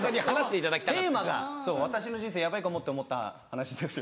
テーマが「私の人生やばいかもと思った話」ですよね。